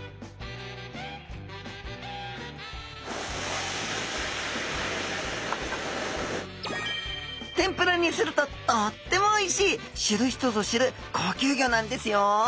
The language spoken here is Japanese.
ふだんは天ぷらにするととってもおいしい知る人ぞ知る高級魚なんですよ